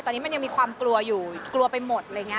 ตอนนี้มันยังมีความกลัวอยู่กลัวไปหมดอะไรอย่างนี้